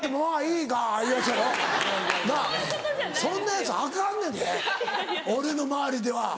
そんなヤツアカンねんで俺の周りでは。